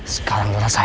sekarang lu rasain